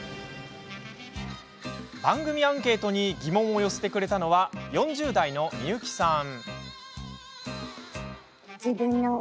番組アンケートに疑問を寄せてくれたのは４０代のみゆきさん。